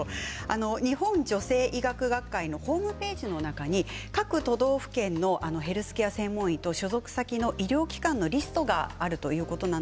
日本女性医学学会のホームページの中に各都道府県のヘルスケア専門医と、所属先の医療機関のリストがあるということです。